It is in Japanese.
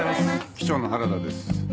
機長の原田です。